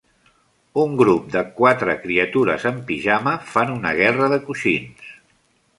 Un grup de quatre criatures en pijama fan una guerra de coixins.